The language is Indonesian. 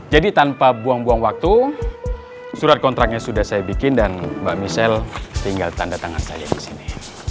tanpa buang buang waktu surat kontraknya sudah saya bikin dan mbak michelle tinggal tanda tangan saya kesini